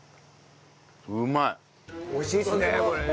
おいしいですねこれね。